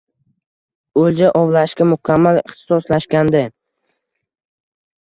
O’lja ovlashga mukammal ixtisoslashgandi.